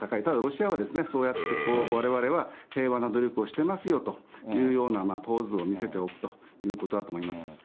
ただロシアは、そうやってわれわれは平和な努力をしてますよというようなポーズを見せておくということだと思います。